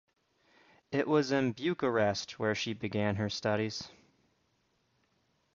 It was in Bucharest where she began her studies.